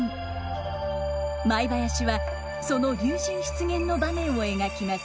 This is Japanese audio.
舞囃子はその龍神出現の場面を描きます。